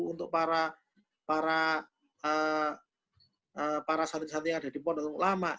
untuk para santri santri yang ada di pondok lama